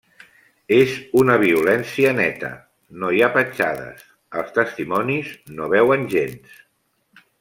És una violència 'neta', no hi ha petjades, els testimonis no veuen gens.